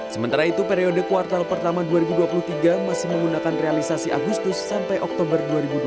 sementara itu periode kuartal pertama dua ribu dua puluh tiga masih menggunakan realisasi agustus sampai oktober dua ribu dua puluh